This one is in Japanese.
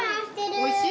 おいしい。